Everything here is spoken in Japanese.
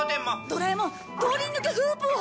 ドラえもん通りぬけフープを。